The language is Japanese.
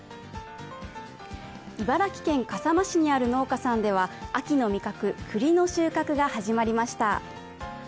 茨城県笠間市にある農家さんでは秋の味覚、栗の収穫が始まりました。